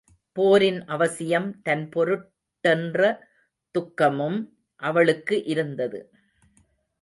போரின் அவசியம் தன் பொருட்டென்ற துக்கமும் அவளுக்கு இருந்தது.